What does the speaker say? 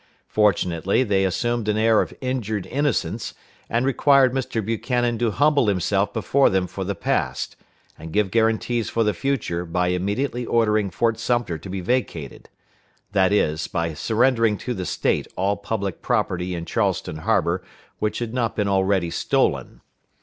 Fortunately, they assumed an air of injured innocence, and required Mr. Buchanan to humble himself before them for the past, and give guarantees for the future by immediately ordering Fort Sumter to be vacated; that is, by surrendering to the State all public property in Charleston harbor which had not been already stolen.